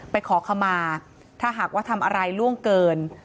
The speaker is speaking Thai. ขอขมาถ้าหากว่าทำอะไรล่วงเกิน